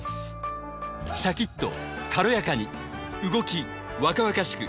シャキっと軽やかに動き若々しく